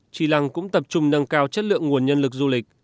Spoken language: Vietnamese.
trì lăng cũng tập trung nâng cao chất lượng nguồn nhân lực du lịch